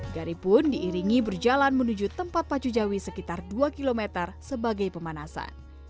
gari pun diiringi berjalan menuju tempat pacu jawi sekitar dua km sebagai pemanasan